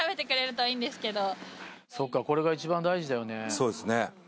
そうですね